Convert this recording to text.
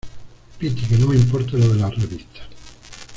piti, que no me importa lo de las revistas.